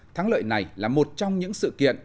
thắng lợi này là một trong những sự kiện